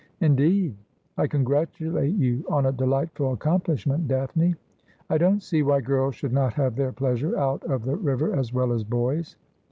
' Indeed ! I congratulate you on a delightful accomplish ment. Daphne. I don't see why girls should not have their pleasure out of the river as well as boys.